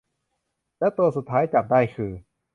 และตัวสุดท้ายจับได้คือ